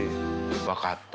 分かった？